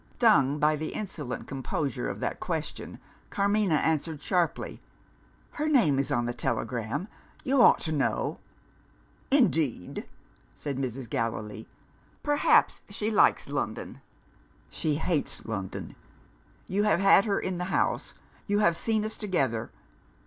Stung by the insolent composure of that question, Carmina answered sharply, "Her name is on the telegram; you ought to know!" "Indeed?" said Mrs. Gallilee. "Perhaps, she likes London?" "She hates London! You have had her in the house; you have seen us together.